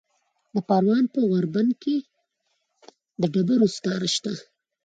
د پروان په غوربند کې د ډبرو سکاره شته.